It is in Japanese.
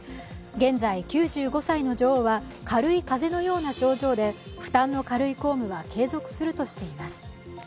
現在、９５歳の女王は軽い風邪のような症状で負担の軽い公務は継続するとしています。